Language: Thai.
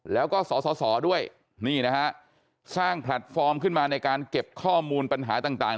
แล้วก็สสด้วยนี่นะฮะสร้างแพลตฟอร์มขึ้นมาในการเก็บข้อมูลปัญหาต่าง